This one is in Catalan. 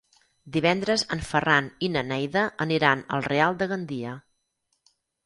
Divendres en Ferran i na Neida aniran al Real de Gandia.